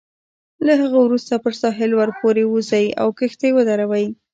له هغه وروسته پر ساحل ورپورې وزئ او کښتۍ ودروئ.